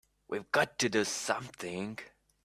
We've got to do something!